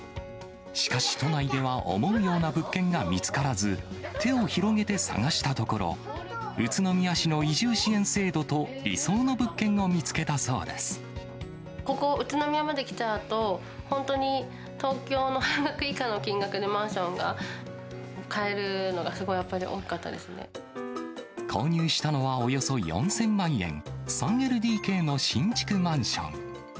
しかし、都内では思うような物件が見つからず、手を広げて探したところ、宇都宮市の移住支援制度と理想の物件をここ、宇都宮まで来たあと、本当に東京の半額以下の金額でマンションが買えるのがすごいやっ購入したのはおよそ４０００万円、３ＬＤＫの新築マンション。